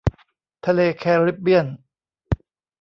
ทะเลแคริบเบียน